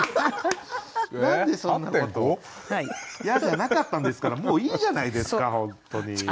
「や」じゃなかったんですからもういいじゃないですか本当に。